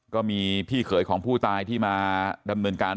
ก็มีพี่เขยของผู้ตายที่มาดำเนินการ